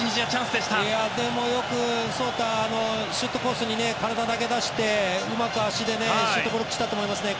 でも、よくソウターシュートコースに体だけ出して、うまく足でシュートブロックしたと思いますね。